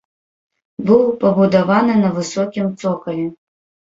Быў пабудаваны на высокім цокалі.